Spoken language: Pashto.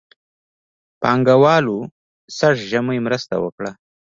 پانګهوالو سږ ژمی مرسته وکړه.